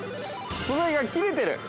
素材が切れてる。